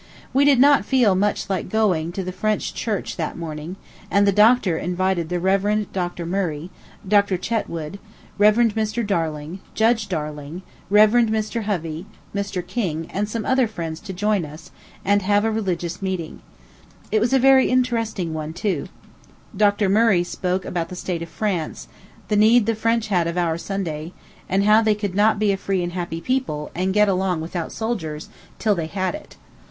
We did not feel much like going to the French church that morning; and the doctor invited the Rev. Dr. Murray, Dr. Chetwood, Rev. Mr. Darling, Judge Darling, Rev. Mr. Hovey, Mr. King, and some other friends to join us, and have a religious meeting. It was a very interesting one, too. Dr. Murray spoke about the state of France, the need the French had of our Sunday, and how they could not be a free and happy people, and get along without soldiers, till they had it.